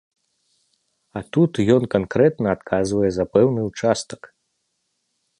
А тут ён канкрэтна адказвае за пэўны ўчастак.